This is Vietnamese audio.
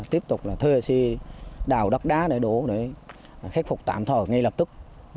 tiếp tục thuê xe đào đọc đá để đổ để khách phục tạm thời ngay lập tức